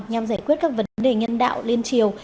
nhằm giải quyết các vấn đề nhân đạo liên triều